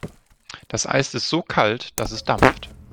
Das Eis ist so kalt, dass es dampft.